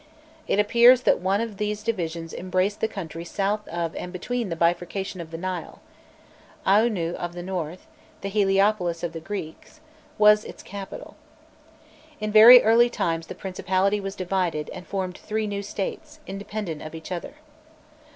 It appears that one of these divisions embraced the country south of and between the bifurcation of the Nile: Aûnû of the North, the Heliopolis of the Greeks, was its capital. In very early times the principality was divided, and formed three new states, independent of each other.